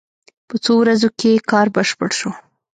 په څو ورځو کې کار بشپړ شو.